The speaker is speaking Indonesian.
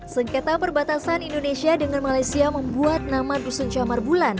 sengketa perbatasan indonesia dengan malaysia membuat nama dusun camar bulan